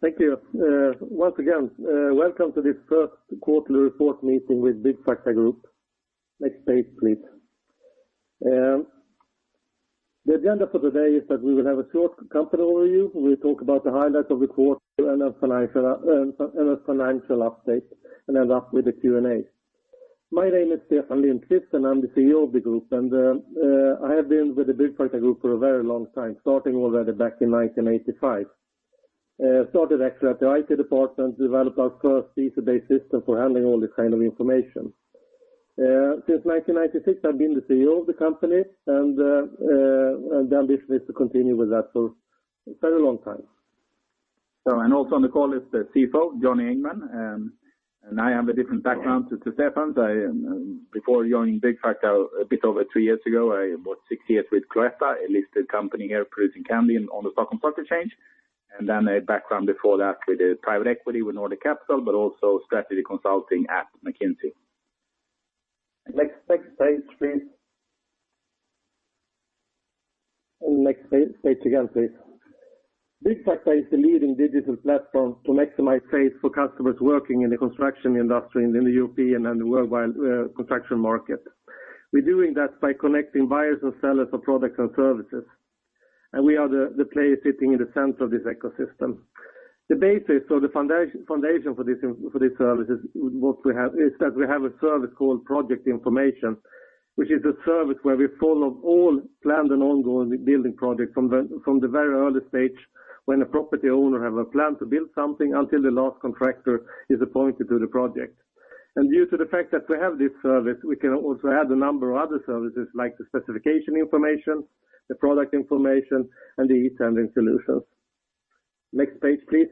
Thank you. Once again, welcome to this first quarterly report meeting with Byggfakta Group. Next page, please. The agenda for today is that we will have a short company overview. We'll talk about the highlights of the quarter and a financial update, and end up with the Q&A. My name is Stefan Lindqvist, and I'm the CEO of the group. I have been with the Byggfakta Group for a very long time, starting already back in 1985. Started actually at the IT department, developed our first database system for handling all this kind of information. Since 1996, I've been the CEO of the company, and the ambition is to continue with that for a very long time. Also on the call is the CFO, Johnny Engman. I have a different background to Stefan's. Before joining Byggfakta a bit over three years ago, I was six years with Cloetta, a listed company here producing candy on Nasdaq Stockholm. A background before that with private equity with Nordic Capital, but also strategy consulting at McKinsey. Byggfakta is the leading digital platform to maximize sales for customers working in the construction industry in the European and the worldwide construction market. We're doing that by connecting buyers and sellers of products and services, and we are the player sitting in the center of this ecosystem. The basis or the foundation for this service is that we have a service called Project Information, which is a service where we follow all planned and ongoing building projects from the very early stage when a property owner have a plan to build something until the last contractor is appointed to the project. Due to the fact that we have this service, we can also add a number of other services like the specification information, the product information, and the e-tendering solutions. Next page, please.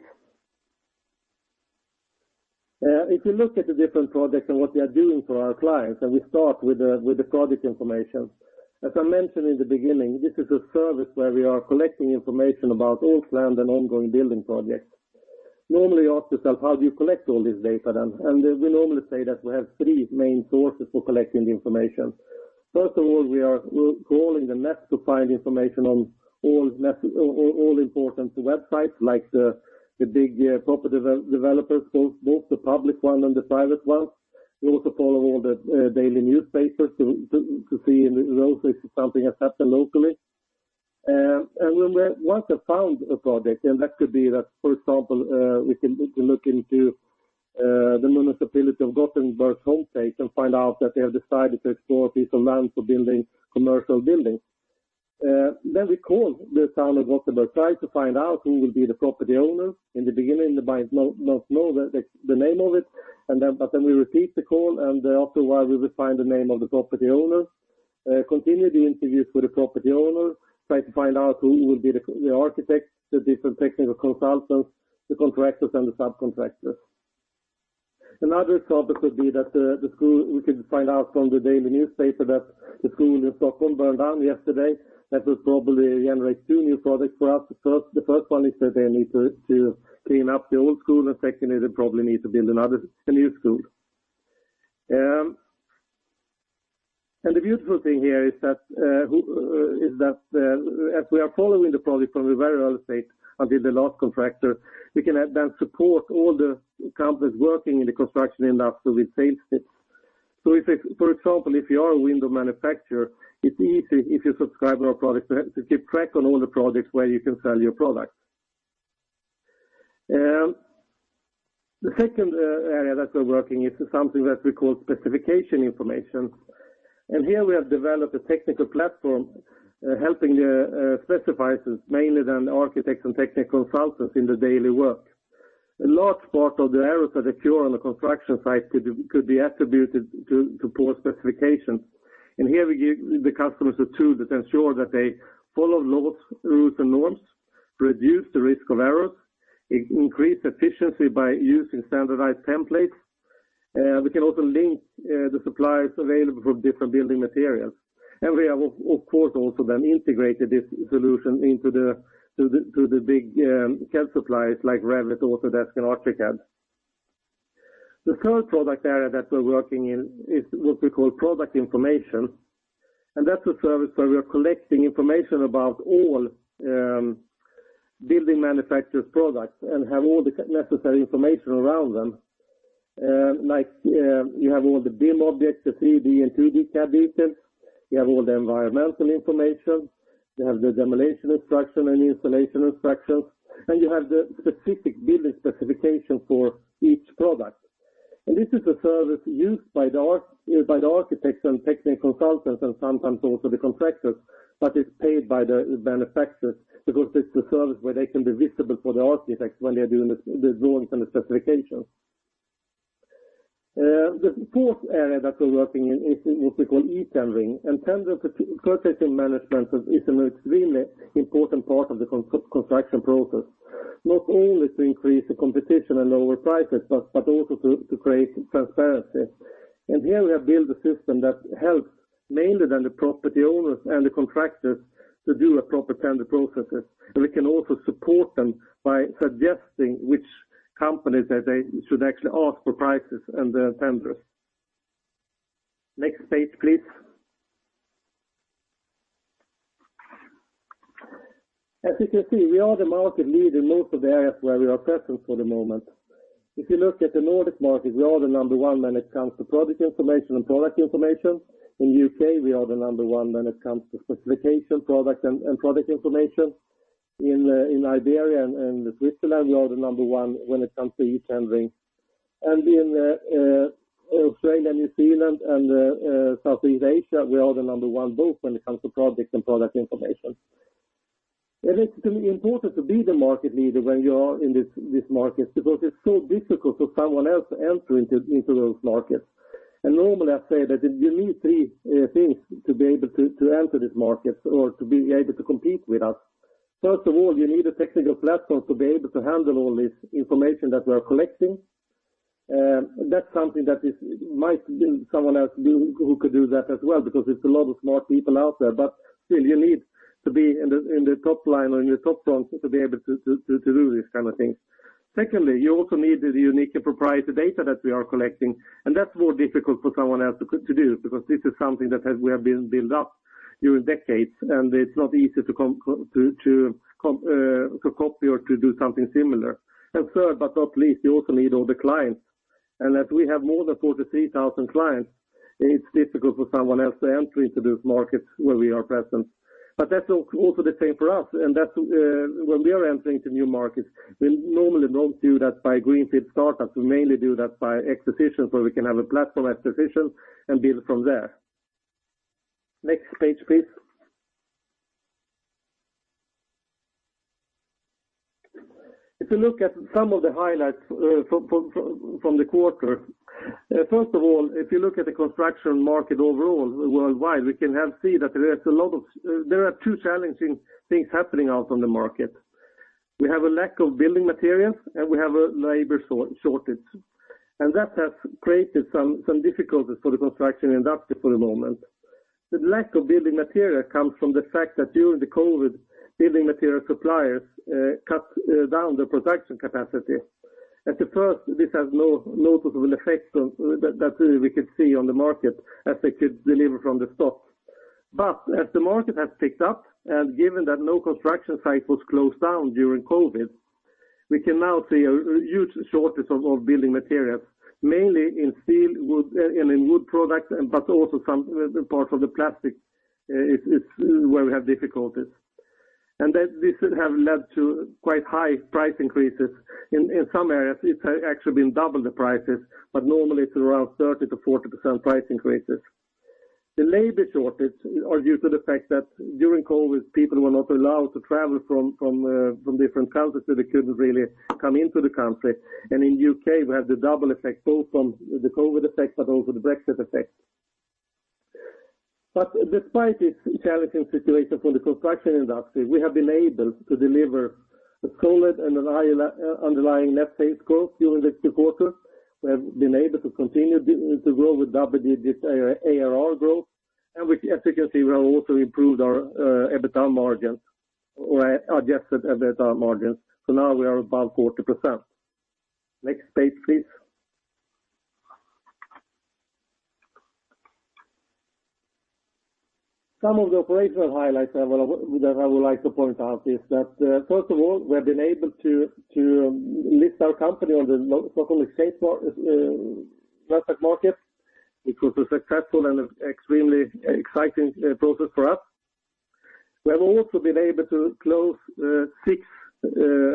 If you look at the different projects and what we are doing for our clients, and we start with the product information. As I mentioned in the beginning, this is a service where we are collecting information about all planned and ongoing building projects. Normally, you ask yourself, how do you collect all this data then? We normally say that we have three main sources for collecting the information. First of all, we are crawling the net to find information on all important websites like the big property developers, both the public one and the private ones. We also follow all the daily newspapers to see if something has happened locally. When we once have found a project, that could be that, for example, we can look into the municipality of Gothenburg's home page and find out that they have decided to explore a piece of land for building commercial buildings. We call the town of Gothenburg, try to find out who will be the property owner. In the beginning, they might not know the name of it, but then we repeat the call, and after a while, we will find the name of the property owner. We continue the interviews with the property owner, try to find out who will be the architect, the different technical consultants, the contractors, and the subcontractors. Another topic could be that we could find out from the daily newspaper that the school in Stockholm burned down yesterday. That will probably generate two new projects for us. The first one is that they need to clean up the old school, and secondly, they probably need to build another, a new school. The beautiful thing here is that as we are following the project from a very early stage until the last contractor, we can then support all the companies working in the construction industry with sales tips. For example, if you are a window manufacturer, it's easy if you subscribe to our products to keep track on all the projects where you can sell your products. The second area that we're working is something that we call specification information. Here we have developed a technical platform helping specifiers, mainly then architects and technical consultants in their daily work. A large part of the errors that occur on a construction site could be attributed to poor specifications. Here we give the customers a tool that ensure that they follow laws, rules, and norms, reduce the risk of errors, increase efficiency by using standardized templates. We can also link the suppliers available for different building materials. We have of course also then integrated this solution into the big CAD suppliers like Revit Autodesk, and AutoCAD. The third product area that we're working in is what we call product information. That's a service where we are collecting information about all building manufacturers products and have all the necessary information around them. Like, you have all the BIM objects, the 3D and 2D CAD details. You have all the environmental information. You have the demolition instruction and installation instructions, and you have the specific building specification for each product. This is a service used by the architects and technical consultants and sometimes also the contractors, but it's paid by the manufacturers because it's a service where they can be visible for the architects when they are doing the drawings and the specifications. The fourth area that we're working in is what we call e-tendering. Tender purchasing management is an extremely important part of the construction process, not only to increase the competition and lower prices, but also to create transparency. Here we have built a system that helps mainly the property owners and the contractors to do a proper tender processes. We can also support them by suggesting which companies that they should actually ask for prices and the tenders. Next page, please. As you can see, we are the market leader in most of the areas where we are present for the moment. If you look at the Nordic market, we are the number one when it comes to product information. In the U.K., we are the number one when it comes to specification product and product information. In Iberia and Switzerland, we are the number one when it comes to e-tendering. In Australia, New Zealand and Southeast Asia, we are the number one both when it comes to project and product information. It's important to be the market leader when you are in these markets because it's so difficult for someone else to enter into those markets. Normally, I say that you need three things to be able to enter this market or to be able to compete with us. First of all, you need a technical platform to be able to handle all this information that we are collecting. That's something that might someone else do who could do that as well, because there's a lot of smart people out there. Still, you need to be in the top line or in the top front to be able to do this kind of thing. Secondly, you also need the unique and proprietary data that we are collecting, and that's more difficult for someone else to do, because this is something we have built up during decades, and it's not easy to come to copy or to do something similar. Third, but not least, you also need all the clients. As we have more than 43,000 clients, it's difficult for someone else to enter into those markets where we are present. That's also the same for us. That's when we are entering into new markets, we normally don't do that by greenfield startups. We mainly do that by acquisitions, where we can have a platform acquisition and build from there. Next page, please. If you look at some of the highlights from the quarter. First of all, if you look at the construction market overall worldwide, we can see that there are two challenging things happening out on the market. We have a lack of building materials, and we have a labor shortage, and that has created some difficulties for the construction industry for the moment. The lack of building material comes from the fact that during the COVID, building material suppliers cut down their production capacity. At first, this has no noticeable effects that we could see on the market as they could deliver from the stock. As the market has picked up, and given that no construction site was closed down during COVID, we can now see a huge shortage of building materials, mainly in steel, wood, and in wood products, but also some parts of the plastic is where we have difficulties. That this should have led to quite high price increases. In some areas, it's actually been double the prices, but normally it's around 30%-40% price increases. The labor shortage are due to the fact that during COVID, people were not allowed to travel from different countries, so they couldn't really come into the country. In U.K., we have the double effect, both from the COVID effect but also the Brexit effect. Despite this challenging situation for the construction industry, we have been able to deliver a solid and a high underlying net sales growth during this quarter. We have been able to continue to grow with double-digit ARR growth. As you can see, we have also improved our EBITDA margins or adjusted EBITDA margins. Now we are above 40%. Next page, please. Some of the operational highlights I would like to point out is that, first of all, we have been able to list our company on Nasdaq Stockholm, which was a successful and extremely exciting process for us. We have also been able to close six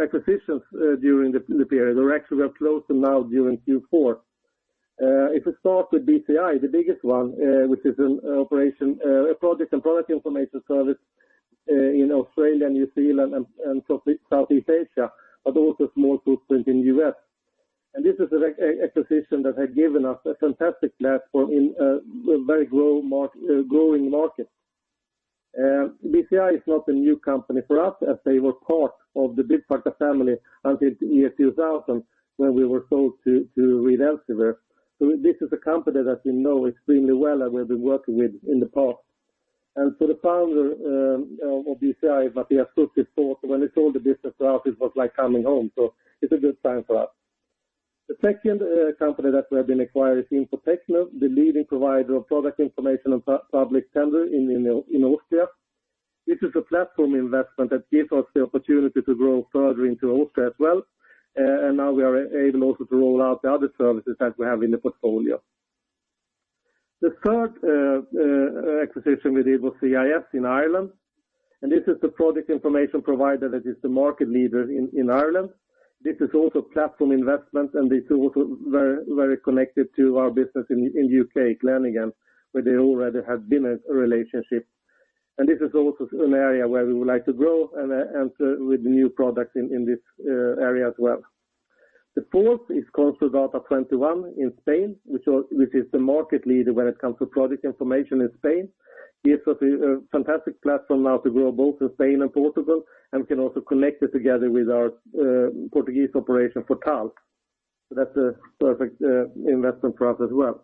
acquisitions during the period, or actually we have closed them now during Q4. If we start with BCI, the biggest one, which is an operation, project and product information service, in Australia, New Zealand and South, Southeast Asia, but also small footprint in U.S. This is an acquisition that had given us a fantastic platform in a very growing market. BCI is not a new company for us, as they were part of the Byggfakta family until 2000, when we were sold to Reed Elsevier. This is a company that we know extremely well and we've been working with in the past. For the Founder of BCI, Matthias Krups, he thought when he sold the business to us, it was like coming home. It's a good sign for us. The second company that we have been acquired is INFO-TECHNO, the leading provider of product information and public tender in Austria. This is a platform investment that gives us the opportunity to grow further into Austria as well. Now we are able also to roll out the other services that we have in the portfolio. The third acquisition we did was CIS in Ireland, and this is the product information provider that is the market leader in Ireland. This is also platform investment, and this is also very connected to our business in U.K., Glenigan, where they already had been a relationship. This is also an area where we would like to grow and with new products in this area as well. The fourth is Construdata21 in Spain, which is the market leader when it comes to product information in Spain. It gives us a fantastic platform now to grow both in Spain and Portugal, and we can also connect it together with our Portuguese operation, Vortal. That's a perfect investment for us as well.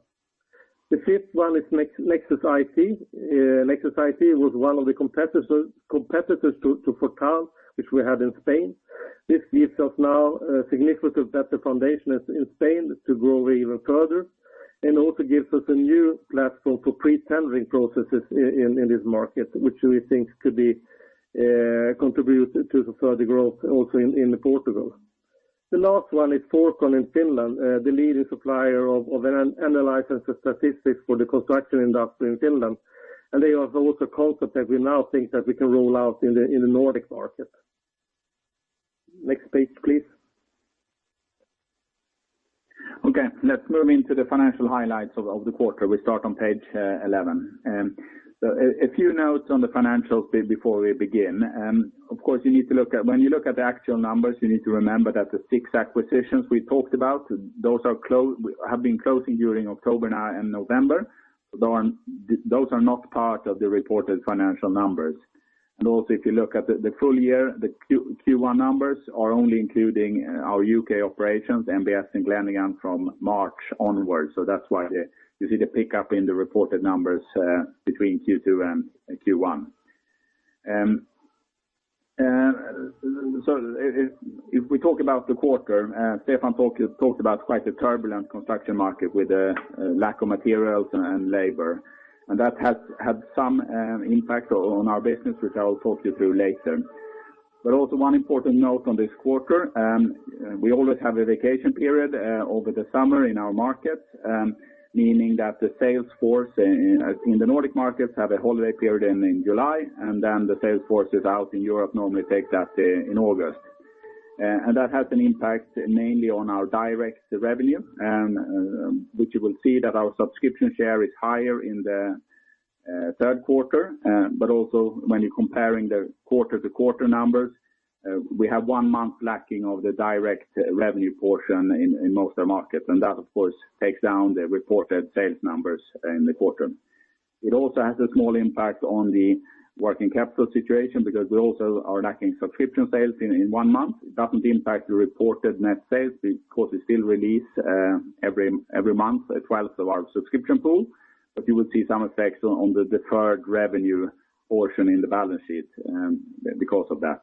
The fifth one is Nexus IT. Nexus IT was one of the competitors to Vortal, which we had in Spain. This gives us now a significant better foundation in Spain to grow even further and also gives us a new platform for pre-tendering processes in this market, which we think could contribute to the further growth also in Portugal. The last one is Forecon in Finland, the leading supplier of analyzing the statistics for the construction industry in Finland. They have also concept that we now think that we can roll out in the Nordic market. Next page, please. Okay, let's move into the financial highlights of the quarter. We start on page 11. So a few notes on the financials before we begin. Of course, when you look at the actual numbers, you need to remember that the six acquisitions we talked about, those have been closing during October now and November. Those are not part of the reported financial numbers. If you look at the full year, the Q1 numbers are only including our U.K. operations, NBS and Glenigan from March onwards. That's why you see the pickup in the reported numbers between Q2 and Q1. If we talk about the quarter, Stefan talked about quite a turbulent construction market with a lack of materials and labor. That has had some impact on our business, which I will talk you through later. One important note on this quarter, we always have a vacation period over the summer in our markets, meaning that the sales force in the Nordic markets have a holiday period in July, and then the sales force is out in Europe, normally take that in August. That has an impact mainly on our direct revenue, which you will see that our subscription share is higher in the third quarter. Also when you're comparing the quarter-to-quarter numbers, we have one month lacking of the direct revenue portion in most of the markets, and that, of course, takes down the reported sales numbers in the quarter. It also has a small impact on the working capital situation because we also are lacking subscription sales in one month. It doesn't impact the reported net sales because we still release every month a 1/12 of our subscription pool. You will see some effects on the deferred revenue portion in the balance sheet because of that.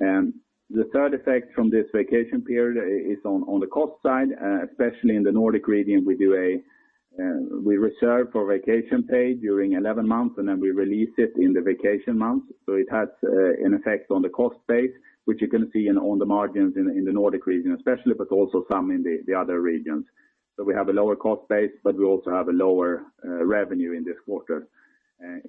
The third effect from this vacation period is on the cost side, especially in the Nordic region. We reserve for vacation pay during 11 months, and then we release it in the vacation month. It has an effect on the cost base, which you can see in the margins in the Nordic region, especially, but also some in the other regions. We have a lower cost base, but we also have a lower revenue in this quarter.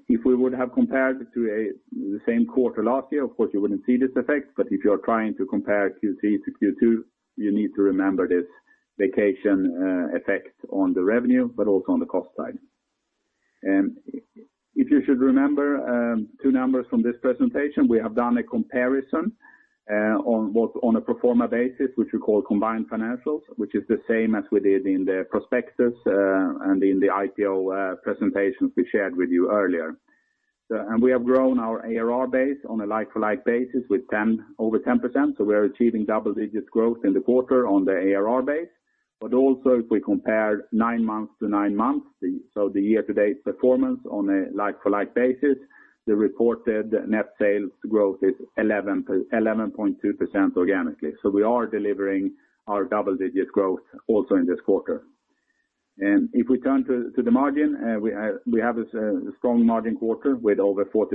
If we would have compared to the same quarter last year, of course, you wouldn't see this effect. If you are trying to compare Q3 to Q2, you need to remember this vacation effect on the revenue, but also on the cost side. If you should remember two numbers from this presentation, we have done a comparison on a pro forma basis, which we call combined financials, which is the same as we did in the prospectus and in the IPO presentations we shared with you earlier. We have grown our ARR base on a like-for-like basis with 10, over 10%. We are achieving double-digit growth in the quarter on the ARR base. If we compare nine months to nine months, the year-to-date performance on a like-for-like basis, the reported net sales growth is 11.2% organically. We are delivering our double-digit growth also in this quarter. If we turn to the margin, we have a strong margin quarter with over 40%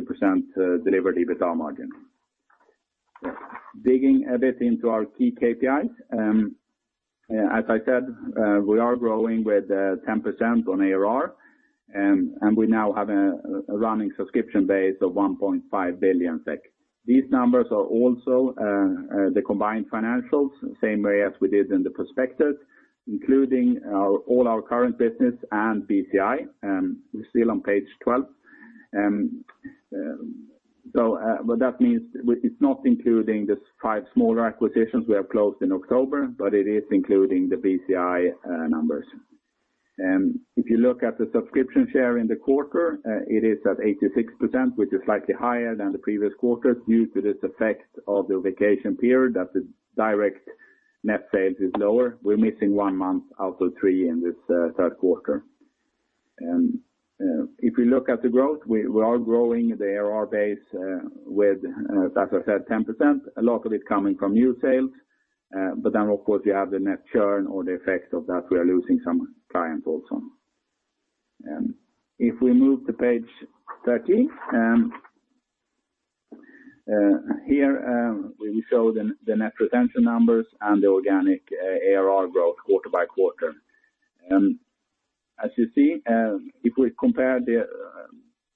delivered EBITDA margin. Digging a bit into our key KPIs, as I said, we are growing with 10% on ARR, and we now have a running subscription base of 1.5 billion SEK. These numbers are also the combined financials, same way as we did in the prospectus, including all our current business and BCI. We're still on page 12. What that means, it's not including the five smaller acquisitions we have closed in October, but it is including the BCI numbers. If you look at the subscription share in the quarter, it is at 86%, which is slightly higher than the previous quarters due to this effect of the vacation period, that the direct net sales is lower. We're missing one month out of three in this third quarter. If we look at the growth, we are growing the ARR base, with, as I said, 10%, a lot of it coming from new sales. Of course, you have the net churn or the effect of that we are losing some clients also. If we move to page 13, here, we show the net retention numbers and the organic ARR growth quarter by quarter. As you see, if we compare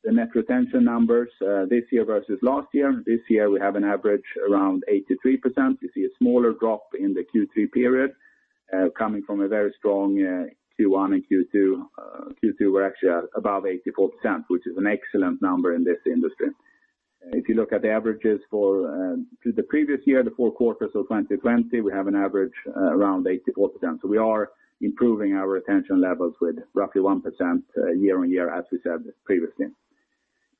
the net retention numbers, this year versus last year, this year, we have an average around 83%. You see a smaller drop in the Q3 period, coming from a very strong Q1 and Q2. Q2 were actually above 84%, which is an excellent number in this industry. If you look at the averages for the previous year, the four quarters of 2020, we have an average around 84%. We are improving our retention levels with roughly 1% year-over-year, as we said previously.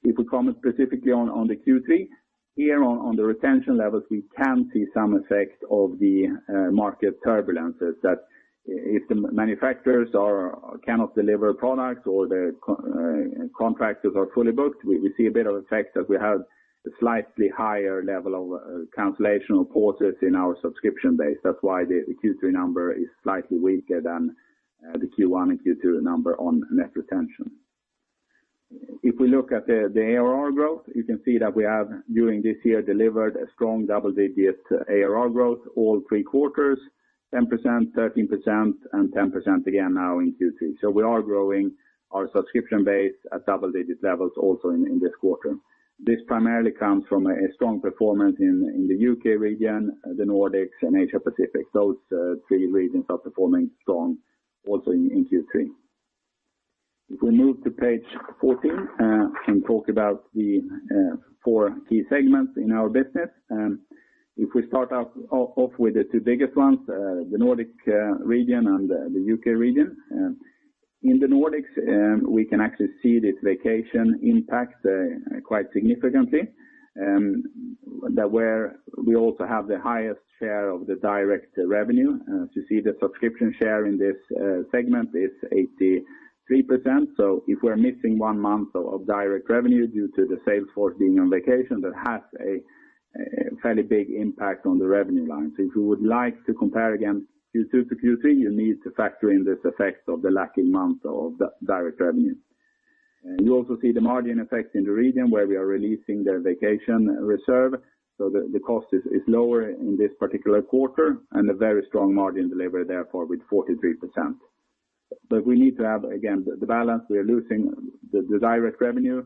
If we comment specifically on the Q3 here on the retention levels, we can see some effect of the market turbulences. That if the manufacturers cannot deliver products or the contractors are fully booked, we see a bit of effect that we have a slightly higher level of cancellation of orders in our subscription base. That's why the Q3 number is slightly weaker than the Q1 and Q2 number on net retention. If we look at the ARR growth, you can see that we have, during this year, delivered a strong double-digit ARR growth all three quarters, 10%, 13%, and 10% again now in Q3. We are growing our subscription base at double-digit levels also in this quarter. This primarily comes from a strong performance in the U.K. region, the Nordics, and Asia-Pacific. Those three regions are performing strong also in Q3. If we move to page 14, can talk about the four key segments in our business. If we start off with the two biggest ones, the Nordic region and the U.K. region. In the Nordics, we can actually see this vacation impact quite significantly, where we also have the highest share of the direct revenue. The subscription share in this segment is 83%. If we're missing one month of direct revenue due to the sales force being on vacation, that has a fairly big impact on the revenue line. If you would like to compare again Q2 to Q3, you need to factor in this effect of the lacking month of direct revenue. You also see the margin effect in the region where we are releasing their vacation reserve. The cost is lower in this particular quarter and a very strong margin delivery, therefore, with 43%. We need to have, again, the balance we are losing. The direct revenue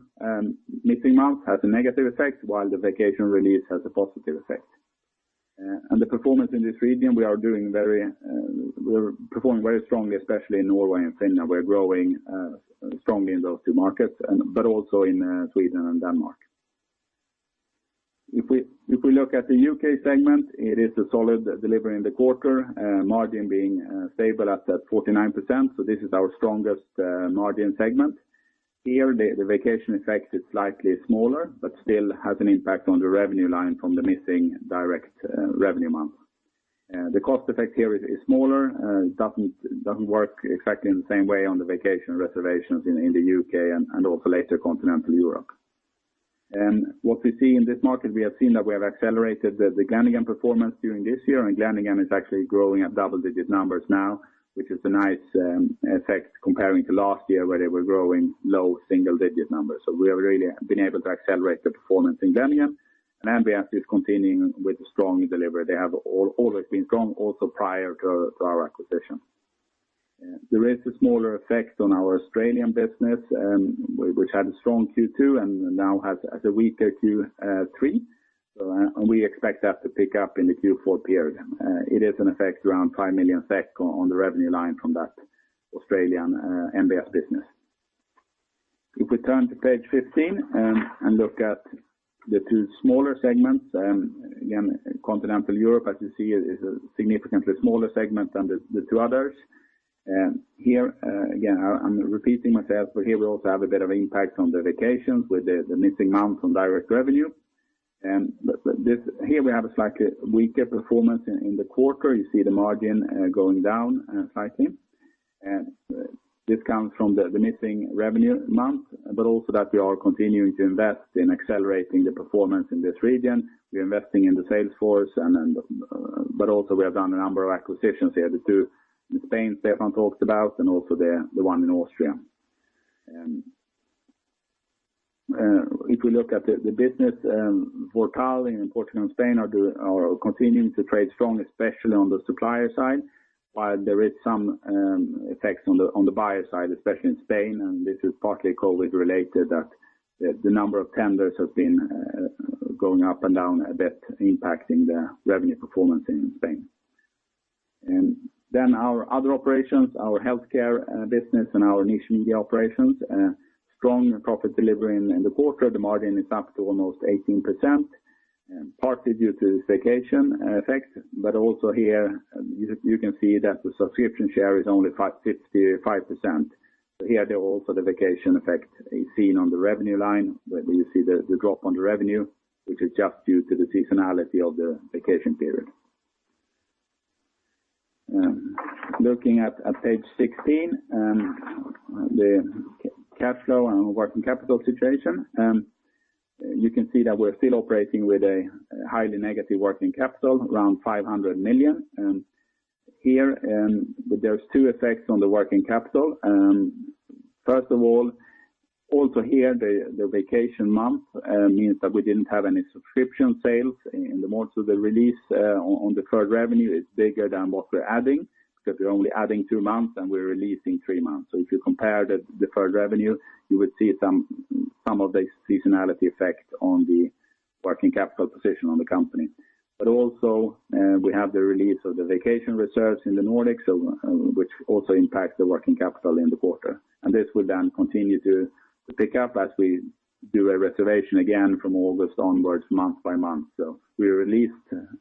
missing month has a negative effect while the vacation release has a positive effect. The performance in this region, we are doing very. We're performing very strongly, especially in Norway and Finland. We're growing strongly in those two markets but also in Sweden and Denmark. If we look at the UK segment, it is a solid delivery in the quarter. Margin being stable at 49%. This is our strongest margin segment. Here, the vacation effect is slightly smaller, but still has an impact on the revenue line from the missing direct revenue month. The cost effect here is smaller, doesn't work exactly in the same way on the vacancy registrations in the U.K. and also later continental Europe. What we see in this market, we have seen that we have accelerated the Glenigan performance during this year, and Glenigan is actually growing at double-digit numbers now, which is a nice effect comparing to last year where they were growing low single-digit numbers. We have really been able to accelerate the performance in Glenigan. NBS is continuing with strong delivery. They have always been strong also prior to our acquisition. There is a smaller effect on our Australian business, which had a strong Q2 and now has a weaker Q3. We expect that to pick up in the Q4 period. It is an effect around 5 million SEK on the revenue line from that Australian BCI business. If we turn to page 15 and look at the two smaller segments, again, Continental Europe, as you see, is a significantly smaller segment than the two others. Here, again, I'm repeating myself, but here we also have a bit of impact on the vacations with the missing months on direct revenue. Here we have a slightly weaker performance in the quarter. You see the margin going down slightly. This comes from the missing revenue month, but also that we are continuing to invest in accelerating the performance in this region. We're investing in the sales force and then, but also we have done a number of acquisitions here. The two in Spain Stefan talked about and also the one in Austria. If we look at the business, Vortal in Portugal and Spain are continuing to trade strong, especially on the supplier side. While there is some effects on the buyer side, especially in Spain, and this is partly COVID-related, that the number of tenders have been going up and down a bit, impacting the revenue performance in Spain. Our other operations, our healthcare business and our niche media operations, strong profit delivery in the quarter. The margin is up to almost 18%, partly due to this vacation effect. Also here, you can see that the subscription share is only 55%. Here for the vacation effect is seen on the revenue line, where you see the drop on the revenue, which is just due to the seasonality of the vacation period. Looking at page 16, the cash flow and working capital situation. You can see that we're still operating with a highly negative working capital, around 500 million. Here, there's two effects on the working capital. First of all, here, the vacation month means that we didn't have any subscription sales. And also the release on deferred revenue is bigger than what we're adding because we're only adding two months, and we're releasing three months. So if you compare the deferred revenue, you will see some of the seasonality effect on the working capital position on the company. Also, we have the release of the vacation reserves in the Nordics, which also impacts the working capital in the quarter. This will then continue to pick up as we do a reservation again from August onwards, month by month. We released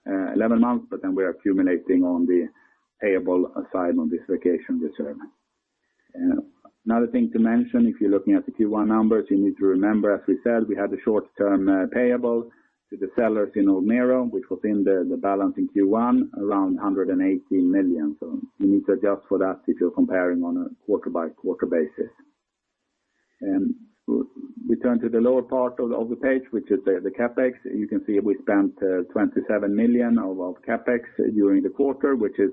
11 months, but then we are accumulating on the payable side on this vacation reserve. Another thing to mention, if you're looking at the Q1 numbers, you need to remember, as we said, we had a short-term payable to the sellers in Olmero, which was in the balance in Q1, around 118 million. You need to adjust for that if you're comparing on a quarter-by-quarter basis. We turn to the lower part of the page, which is the CapEx. You can see we spent 27 million of our CapEx during the quarter, which is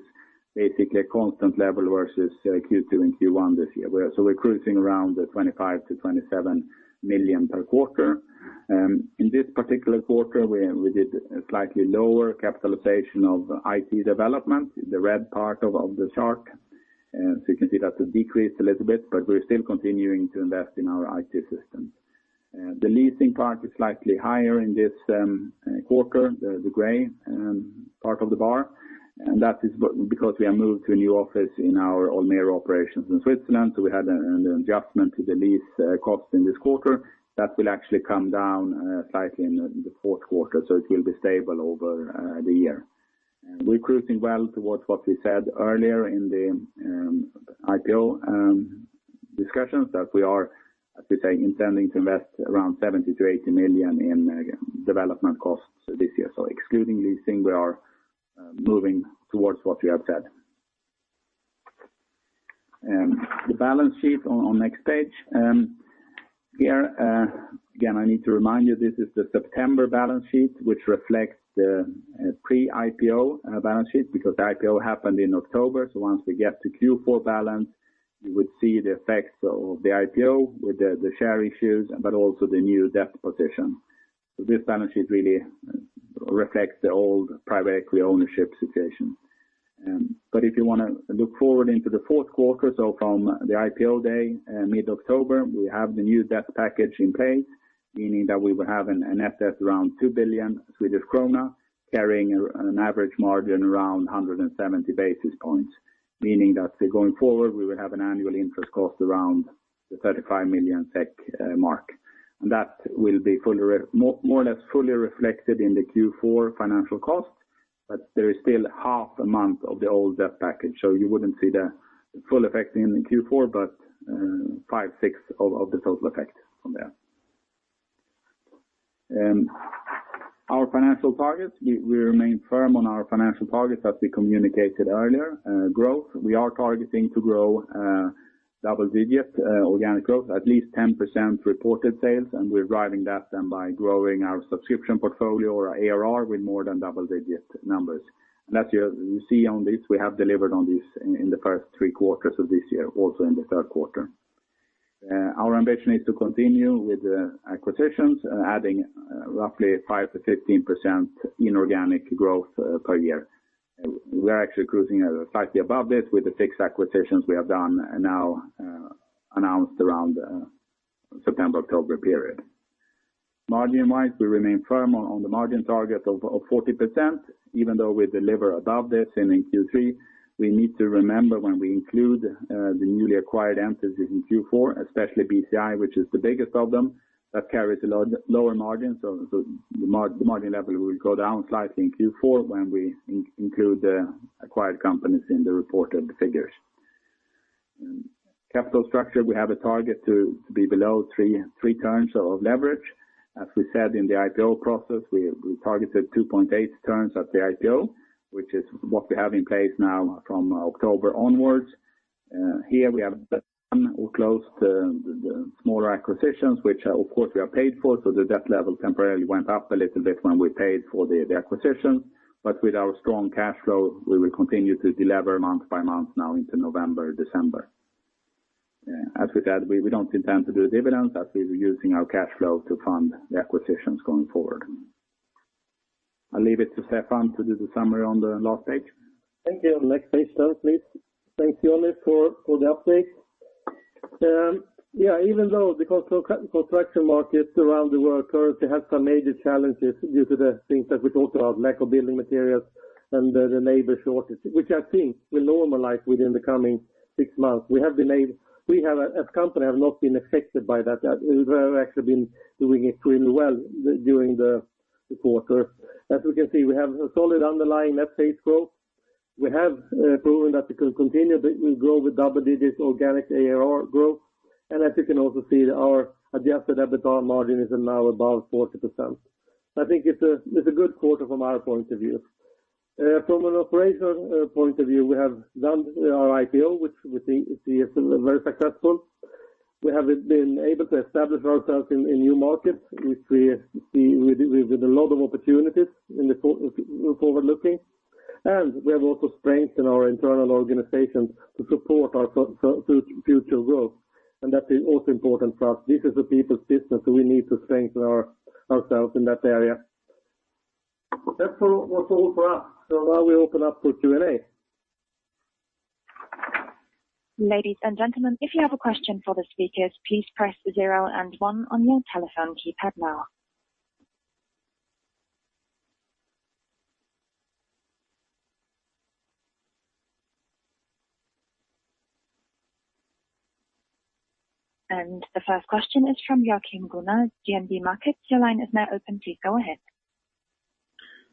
basically a constant level versus Q2 and Q1 this year. We're cruising around the 25 million-27 million per quarter. In this particular quarter, we did a slightly lower capitalization of IT development, the red part of the chart. You can see that decreased a little bit, but we're still continuing to invest in our IT systems. The leasing part is slightly higher in this quarter, the gray part of the bar. That is because we have moved to a new office in our Olmero operations in Switzerland. We had an adjustment to the lease cost in this quarter. That will actually come down slightly in the fourth quarter, so it will be stable over the year. We're cruising well towards what we said earlier in the IPO discussions that we are, as we say, intending to invest around 70 million-80 million in development costs this year. Excluding leasing, we are moving towards what we have said. The balance sheet on next page. Here, again, I need to remind you, this is the September balance sheet, which reflects the pre-IPO balance sheet because the IPO happened in October. Once we get to Q4 balance, you would see the effects of the IPO with the share issues, but also the new debt position. This balance sheet really reflects the old private ownership situation. If you want to look forward into the fourth quarter, from the IPO day, mid-October, we have the new debt package in place, meaning that we will have an asset around 2 billion Swedish krona carrying an average margin around 170 basis points, meaning that going forward, we will have an annual interest cost around 35 million SEK mark. That will be more or less fully reflected in the Q4 financial cost, but there is still half a month of the old debt package. You wouldn't see the full effect in Q4, but 5/6 of the total effect from that. We remain firm on our financial targets as we communicated earlier. Growth, we are targeting to grow double digits, organic growth, at least 10% reported sales, and we're driving that then by growing our subscription portfolio or ARR with more than double-digit numbers. As you see on this, we have delivered on this in the first three quarters of this year, also in the third quarter. Our ambition is to continue with acquisitions, adding roughly 5%-15% inorganic growth per year. We're actually cruising slightly above this with the fixed acquisitions we have done now, announced around September, October period. Margin-wise, we remain firm on the margin target of 40%, even though we deliver above this in Q3. We need to remember when we include the newly acquired entities in Q4, especially BCI, which is the biggest of them, that carries a lower margin. The margin level will go down slightly in Q4 when we include the acquired companies in the reported figures. Capital structure, we have a target to be below 3 turns of leverage. As we said in the IPO process, we targeted 2.8 turns at the IPO, which is what we have in place now from October onwards. Here we have done or closed the smaller acquisitions, which, of course, we paid for. The debt level temporarily went up a little bit when we paid for the acquisition. With our strong cash flow, we will continue to delever month by month now into November, December. As with that, we don't intend to do a dividend, as we're using our cash flow to fund the acquisitions going forward. I'll leave it to Stefan to do the summary on the last page. Thank you. Next page, Johnny, please. Thanks, Johnny, for the update. Yeah, even though the construction markets around the world currently have some major challenges due to the things that we talked about, lack of building materials and the labor shortage, which I think will normalize within the coming six months. We have, as a company, not been affected by that. We've actually been doing extremely well during the quarter. As you can see, we have a solid underlying net sales growth. We have proven that we can continue to grow with double-digit organic ARR growth. As you can also see, our adjusted EBITDA margin is now above 40%. I think it's a good quarter from our point of view. From an operational point of view, we have done our IPO, which we think is very successful. We have been able to establish ourselves in new markets, which we with a lot of opportunities in the forward looking. We have also strengthened our internal organizations to support our future growth. That is also important for us. This is a people's business, so we need to strengthen ourselves in that area. That's all for us. Now we open up for Q&A. Ladies and gentlemen, if you have a question for the speakers, please press 0 and 1 on your telephone keypad now. The first question is from Joachim Gunell, DNB Markets. Your line is now open. Please go ahead.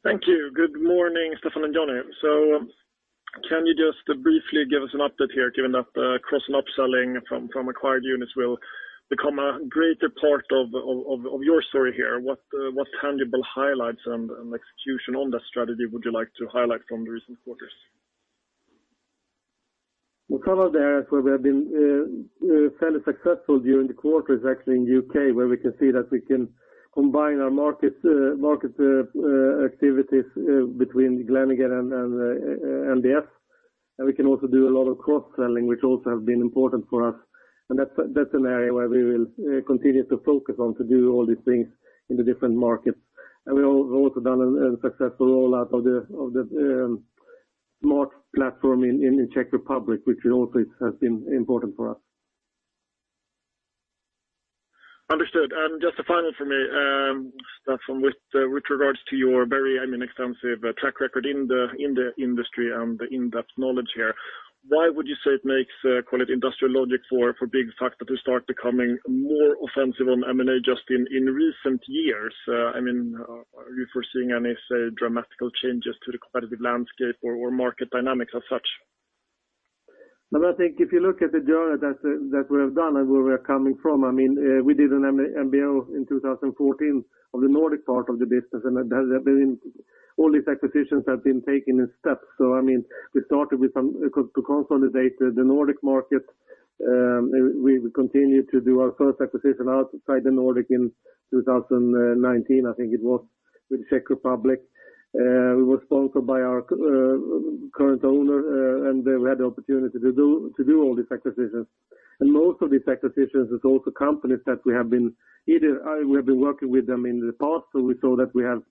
Thank you. Good morning, Stefan and Johnny. Can you just briefly give us an update here, given that cross and upselling from acquired units will become a greater part of your story here? What tangible highlights and execution on that strategy would you like to highlight from the recent quarters? We'll cover the areas where we have been fairly successful during the quarter is actually in U.K., where we can see that we can combine our market activities between Glenigan and NBS. We can also do a lot of cross-selling, which also have been important for us. That's an area where we will continue to focus on to do all these things in the different markets. We've also done a successful rollout of the SMART platform in Czech Republic, which also has been important for us. Understood. Just a final for me, Stefan, with regards to your very, I mean, extensive track record in the industry and the in-depth knowledge here, why would you say it makes, call it industrial logic for Byggfakta to start becoming more offensive on M&A just in recent years? Are you foreseeing any, say, dramatic changes to the competitive landscape or market dynamics as such? No, I think if you look at the journey that we have done and where we're coming from, I mean, we did an MBO in 2014 of the Nordic part of the business, and that has been. All these acquisitions have been taken in steps. I mean, we started to consolidate the Nordic market. We continued to do our first acquisition outside the Nordic in 2019, I think it was, with the Czech Republic. We were sponsored by our current owner, and they had the opportunity to do all these acquisitions. Most of these acquisitions is also companies that we have been working with them in the past, so we saw that we have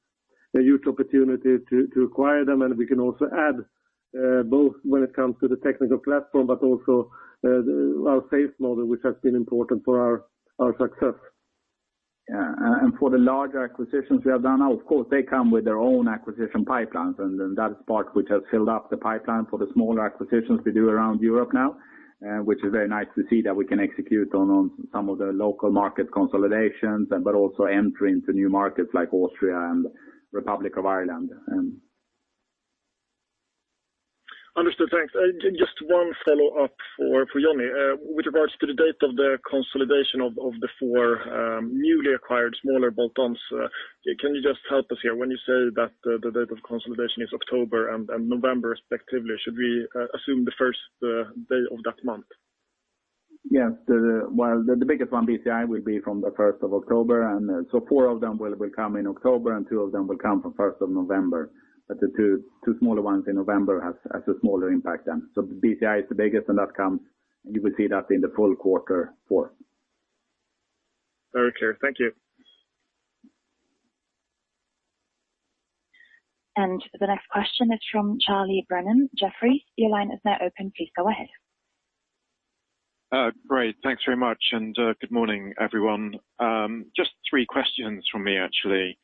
a huge opportunity to acquire them, and we can also add both when it comes to the technical platform, but also our sales model, which has been important for our success. For the larger acquisitions we have done, of course, they come with their own acquisition pipelines and that is part which has filled up the pipeline for the smaller acquisitions we do around Europe now, which is very nice to see that we can execute on some of the local market consolidations, but also entry into new markets like Austria and Republic of Ireland. Understood. Thanks. Just one follow-up for Johnny. With regards to the date of the consolidation of the four newly acquired smaller bolt-ons, can you just help us here? When you say that the date of consolidation is October and November respectively, should we assume the first day of that month? Yes. Well, the biggest one, BCI, will be from the first of October. Four of them will come in October, and two of them will come from first of November. The two smaller ones in November has a smaller impact then. BCI is the biggest, and that comes, and you will see that in the full quarter four. Very clear. Thank you. The next question is from Charlie Brennan. Jefferies, your line is now open. Please go ahead. Great. Thanks very much. Good morning, everyone. Just three questions from me, actually.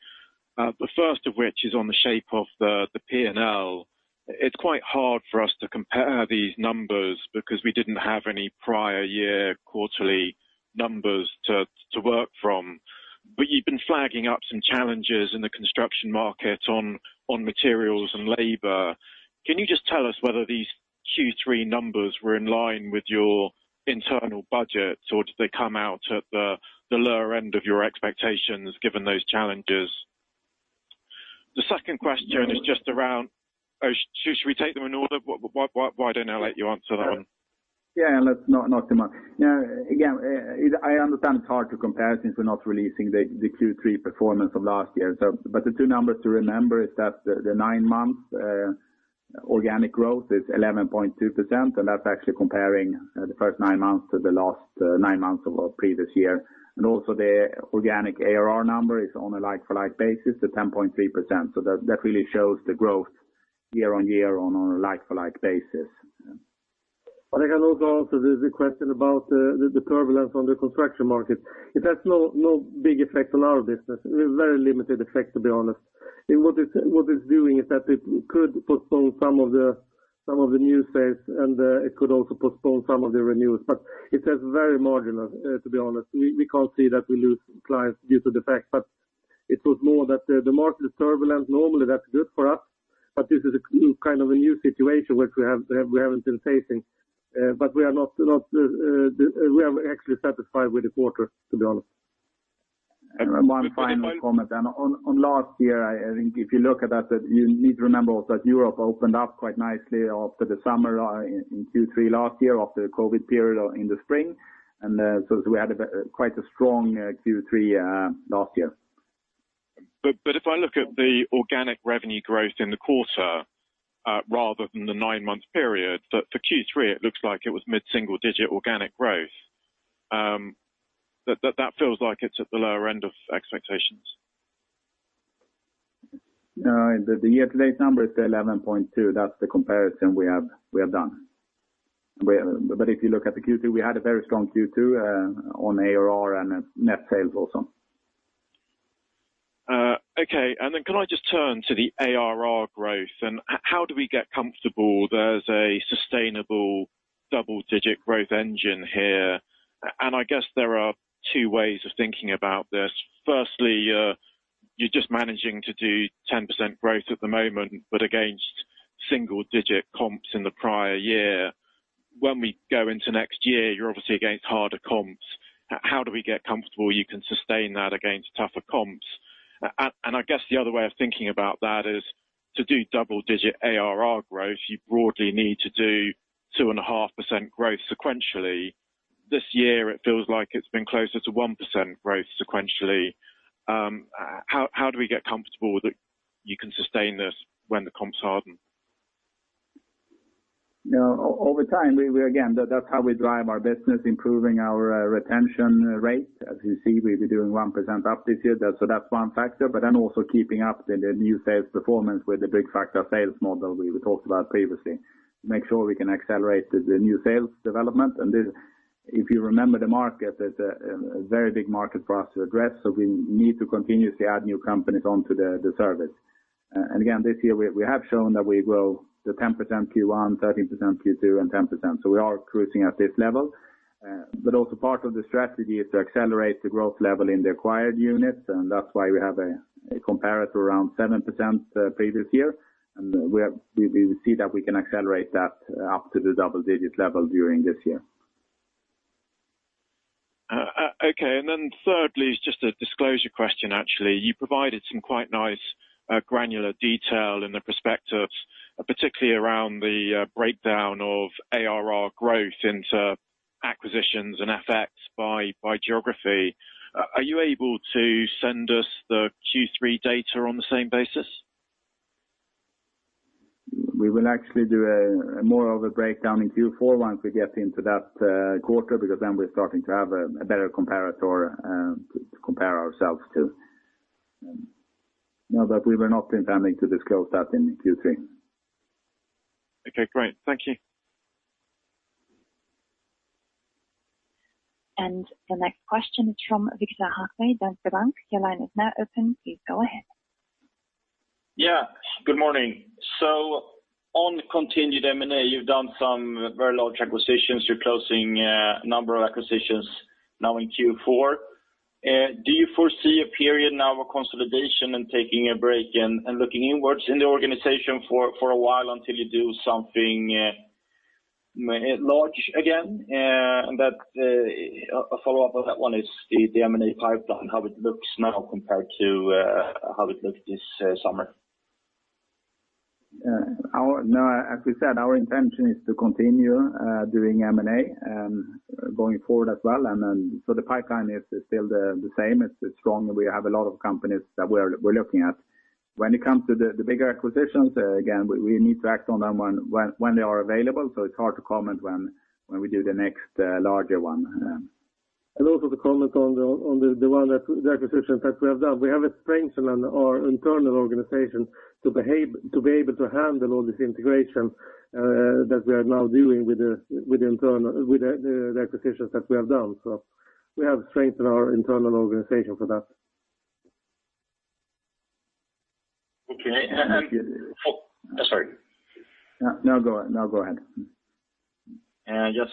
The first of which is on the shape of the P&L. It's quite hard for us to compare these numbers because we didn't have any prior year quarterly numbers to work from. But you've been flagging up some challenges in the construction market on materials and labor. Can you just tell us whether these Q3 numbers were in line with your internal budget, or did they come out at the lower end of your expectations, given those challenges? Should we take them in order? Why don't I let you answer that one? Yeah, let's not too much. Yeah. Again, I understand it's hard to compare since we're not releasing the Q3 performance of last year. The two numbers to remember are that the nine-month organic growth is 11.2%, and that's actually comparing the first nine months to the last nine months of our previous year. Also the organic ARR number is on a like-for-like basis, the 10.3%. That really shows the growth year-over-year on a like-for-like basis. I can also answer the question about the turbulence on the construction market. It has no big effect on our business. Very limited effect, to be honest. What it's doing is that it could postpone some of the new sales, and it could also postpone some of the renewals. It has very marginal, to be honest. We can't see that we lose clients due to the fact, but it was more that the market is turbulent. Normally, that's good for us. This is a new kind of situation which we haven't been facing. We are actually satisfied with the quarter, to be honest. One final comment. On last year, I think if you look at that, you need to remember also that Europe opened up quite nicely after the summer in Q3 last year, after the COVID period in the spring. We had quite a strong Q3 last year. If I look at the organic revenue growth in the quarter, rather than the nine-month period, for Q3, it looks like it was mid-single digit organic growth. That feels like it's at the lower end of expectations. The year-to-date number is 11.2%. That's the comparison we have done. If you look at the Q2, we had a very strong Q2 on ARR and net sales also. Okay. Can I just turn to the ARR growth and how do we get comfortable there's a sustainable double-digit growth engine here? I guess there are two ways of thinking about this. Firstly, you're just managing to do 10% growth at the moment, but against single-digit comps in the prior year. When we go into next year, you're obviously against harder comps. How do we get comfortable you can sustain that against tougher comps? I guess the other way of thinking about that is to do double-digit ARR growth, you broadly need to do 2.5% growth sequentially. This year, it feels like it's been closer to 1% growth sequentially. How do we get comfortable that you can sustain this when the comps harden? No, over time, we again, that's how we drive our business, improving our retention rate. As you see, we'll be doing 1% up this year. That's one factor, but then also keeping up the new sales performance with the big factor sales model we talked about previously, to make sure we can accelerate the new sales development. If you remember the market, there's a very big market for us to address, so we need to continuously add new companies onto the service. This year, we have shown that we grow to 10% Q1, 13% Q2, and 10%. We are cruising at this level. Also part of the strategy is to accelerate the growth level in the acquired units, and that's why we have a comparator around 7% previous year. We see that we can accelerate that up to the double digit level during this year. Okay. Thirdly is just a disclosure question, actually. You provided some quite nice granular detail in the perspectives, particularly around the breakdown of ARR growth into acquisitions and effects by geography. Are you able to send us the Q3 data on the same basis? We will actually do a more of a breakdown in Q4 once we get into that quarter, because then we're starting to have a better comparator to compare ourselves to. No, we were not intending to disclose that in Q3. Okay, great. Thank you. The next question is from Viktor Högberg, Danske Bank. Your line is now open. Please go ahead. Yeah. Good morning. On continued M&A, you've done some very large acquisitions. You're closing number of acquisitions now in Q4. Do you foresee a period now of consolidation and taking a break and looking inwards in the organization for a while until you do something much larger again? A follow-up on that one is the M&A pipeline, how it looks now compared to how it looked this summer. As we said, our intention is to continue doing M&A going forward as well. The pipeline is still the same. It's strong. We have a lot of companies that we're looking at. When it comes to the bigger acquisitions, again, we need to act on them when they are available, so it's hard to comment when we do the next larger one. Also to comment on the one acquisition that we have done. We have strengthened our internal organization to be able to handle all this integration that we are now dealing with the acquisitions that we have done. We have strengthened our internal organization for that. Okay. Thank you. Oh, sorry. No, go ahead.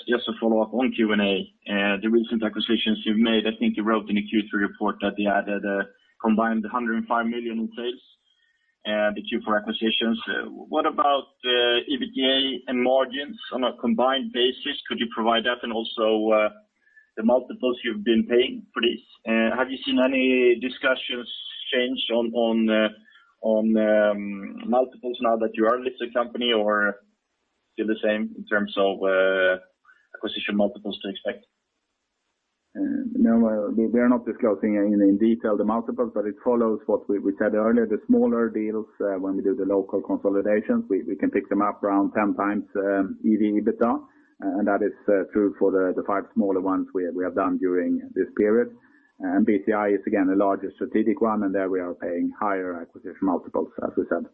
Just to follow up on Q&A. The recent acquisitions you've made, I think you wrote in the Q3 report that they added a combined 105 million in sales, the Q4 acquisitions. What about EBITDA and margins on a combined basis? Could you provide that, and also the multiples you've been paying, please? Have you seen any discussions change on multiples now that you are a listed company, or still the same in terms of acquisition multiples to expect? No. We're not disclosing anything in detail the multiples, but it follows what we said earlier. The smaller deals, when we do the local consolidations, we can pick them up around 10x EV/EBITDA, and that is true for the five smaller ones we have done during this period. BCI is again a larger strategic one, and there we are paying higher acquisition multiples, as we said.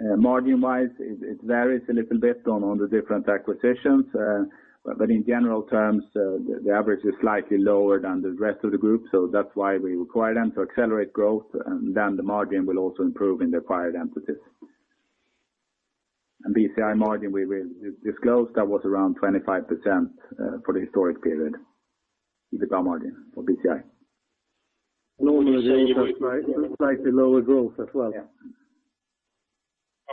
Margin-wise, it varies a little bit on the different acquisitions. In general terms, the average is slightly lower than the rest of the group. That's why we acquired them to accelerate growth, and then the margin will also improve in the acquired entities. BCI margin, we disclosed that was around 25% for the historic period, EBITDA margin for BCI. Normally, it's slightly lower growth as well.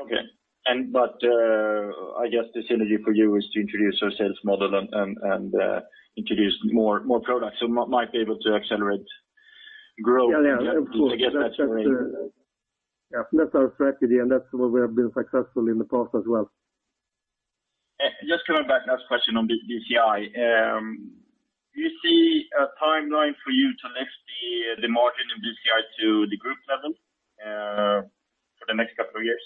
Yeah. I guess the synergy for you is to introduce your sales model and introduce more products. Might be able to accelerate growth- Yeah, yeah. to get that to range. That's our strategy, and that's where we have been successful in the past as well. Just coming back, last question on BCI. Do you see a timeline for you to lift the margin in BCI to the group level, for the next couple of years?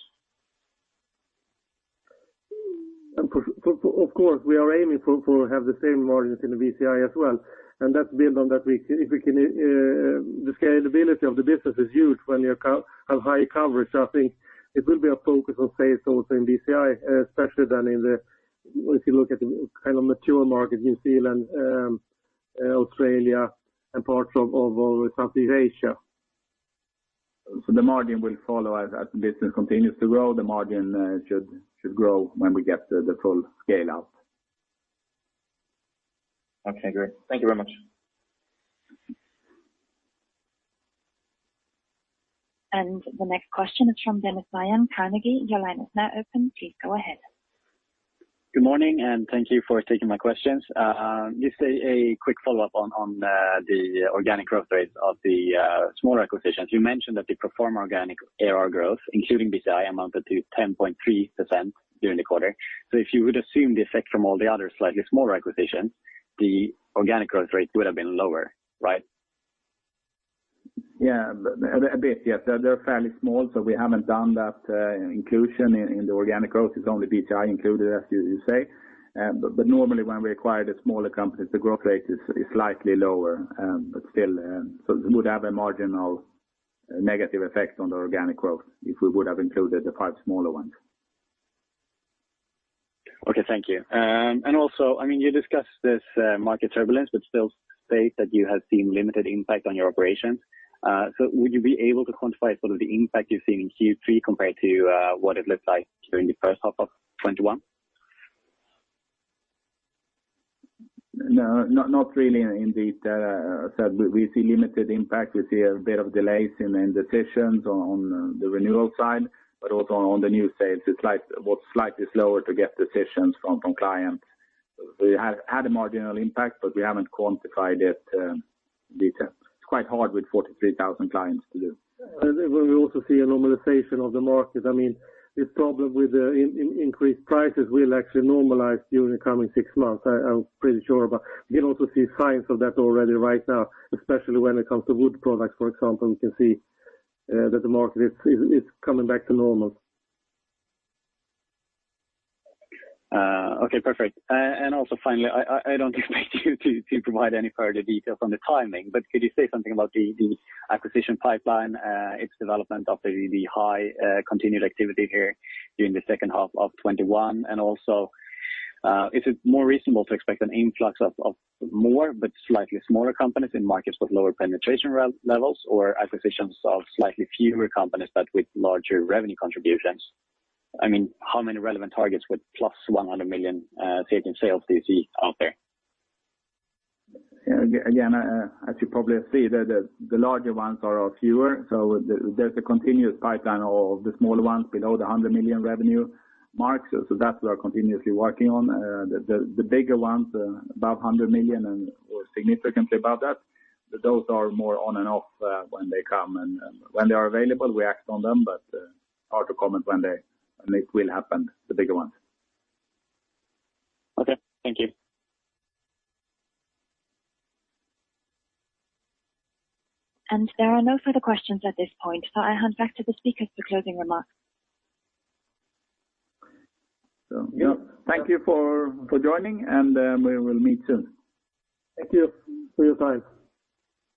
Of course, we are aiming to have the same margins in the BCI as well. That's built on that the scalability of the business is huge when you have high coverage. I think it will be a focus on sales also in BCI, especially then in the. If you look at the kind of mature market, New Zealand, Australia and parts of Southeast Asia. The margin will follow. As the business continues to grow, the margin should grow when we get the full scale out. Okay, great. Thank you very much. The next question is from Dennis Berggren, Carnegie. Your line is now open. Please go ahead. Good morning, and thank you for taking my questions. Just a quick follow-up on the organic growth rate of the small acquisitions. You mentioned that the pro forma organic ARR growth, including BCI, amounted to 10.3% during the quarter. If you would assume the effect from all the other slightly smaller acquisitions, the organic growth rate would have been lower, right? Yeah. A bit, yes. They're fairly small, so we haven't done that inclusion in the organic growth. It's only BCI included, as you just said. Normally, when we acquire the smaller companies, the growth rate is slightly lower, but still, so it would have a marginal negative effect on the organic growth if we would have included the five smaller ones. Okay, thank you. You discussed this market turbulence, but still state that you have seen limited impact on your operations. Would you be able to quantify sort of the impact you're seeing in Q3 compared to what it looked like during the first half of 2021? No. Not really in the data. So we see limited impact. We see a bit of delays in end decisions on the renewal side, but also on the new sales. It's like, well, slightly slower to get decisions from clients. We have had a marginal impact, but we haven't quantified it in detail. It's quite hard with 43,000 clients to do. We will also see a normalization of the market. I mean, the problem with the increased prices will actually normalize during the coming six months. I'm pretty sure about. We can also see signs of that already right now, especially when it comes to wood products, for example. We can see that the market is coming back to normal. Okay, perfect. Also finally, I don't expect you to provide any further details on the timing, but could you say something about the acquisition pipeline, its development after the high continued activity here during the second half of 2021? Also, is it more reasonable to expect an influx of more but slightly smaller companies in markets with lower penetration levels or acquisitions of slightly fewer companies but with larger revenue contributions? I mean, how many relevant targets with plus 100 million SEK in sales do you see out there? Yeah, again, as you probably have seen, the larger ones are fewer. There's a continuous pipeline of the smaller ones below the 100 million revenue mark, so that we are continuously working on. The bigger ones above 100 million and/or significantly above that, those are more on and off, when they come. When they are available, we act on them. Hard to comment when it will happen, the bigger ones. Okay, thank you. There are no further questions at this point, so I hand back to the speakers for closing remarks. Yeah, thank you for joining, and we will meet soon. Thank you for your time.